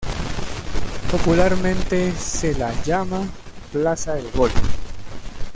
Popularmente se la llama plaza El Golf.